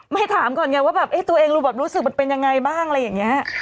ไม่ถามก่อนไงว่าแบบตัวเองรู้แบบรู้สึกมันเป็นยังไงบ้างอะไรอย่างนี้